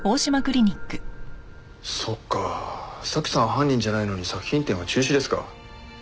そっかあ沙希さん犯人じゃないのに作品展は中止ですか。